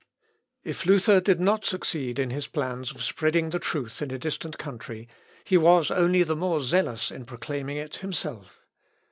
If Luther did not succeed in his plans of spreading the truth in a distant country, he was only the more zealous in proclaiming it himself.